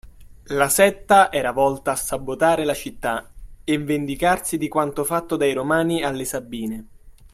La setta era volta a sabotare la città e vendicarsi di quanto fatto dai Romani alle Sabine.